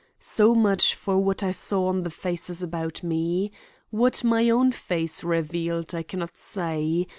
So much for what I saw on the faces about me. What my own face revealed I can not say.